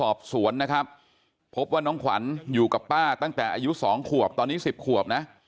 สอบสวนนะครับพบว่าน้องขวัญอยู่กับป้าตั้งแต่อายุ๒ขวบตอนนี้๑๐ขวบนะ